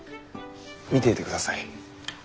見ていてください。